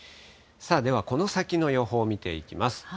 ではこの先の予報見ていきます。